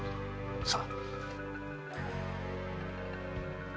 さあ。